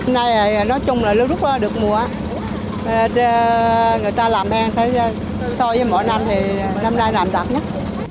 nói chung là lúc được mùa người ta làm hèn so với mỗi năm thì năm nay làm đặc nhất